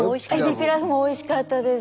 エビピラフもおいしかったです。